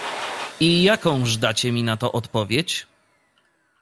"I jakąż dacie mi na to odpowiedź?"